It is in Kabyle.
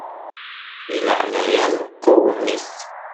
Di leɛnaya-m qwem-it.